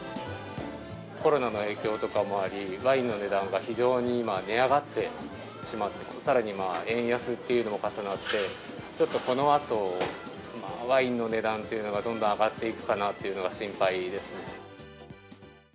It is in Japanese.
コロナの影響とかもあり、ワインの値段が非常に今、値上がってしまって、さらに円安っていうのも重なって、ちょっとこのあと、ワインの値段っていうのがどんどん上がっていくかなというのが心配ですね。